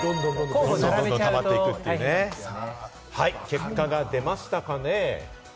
はい、結果が出ましたかね。